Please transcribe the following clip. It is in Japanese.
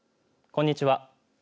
こんにちは。